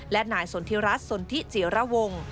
และนายสนธิรัฐสนธิเจรวง